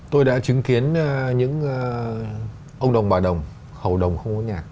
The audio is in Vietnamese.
tôi đã chứng kiến những ông đồng bà đồng hầu đồng không có nhạc